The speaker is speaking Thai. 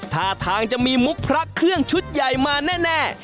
ท่าทางจะมีมุกพระเครื่องชุดใหญ่มาแน่